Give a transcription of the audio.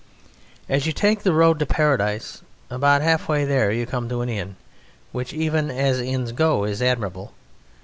As you take the road to Paradise, about halfway there you come to an inn, which even as inns go is admirable.